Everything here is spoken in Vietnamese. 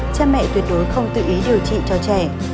cha mẹ tuyệt đối không tự ý điều trị cho trẻ